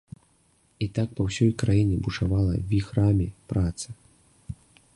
І так па ўсёй краіне бушавала віхрамі праца.